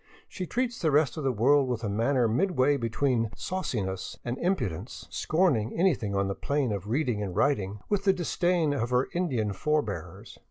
She treats the rest of the world with a manner midway be tween sauciness and impudence, scorning anything on the plane of reading and writing with the disdain of her Indian forebears.